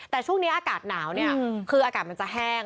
แต่ช่วงนี้อากาศหนาวเนี่ยคืออากาศมันจะแห้ง